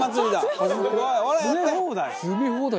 「詰め放題？」